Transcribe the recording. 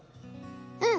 うん！